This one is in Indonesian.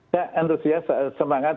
ya antusias semangat